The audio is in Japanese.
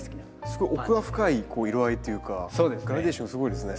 すごい奥が深い色合いというかグラデーションすごいですね。